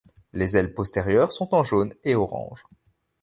Les ailes postérieures sont en jaune et orange.